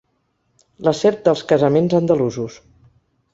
La serp dels casaments andalusos.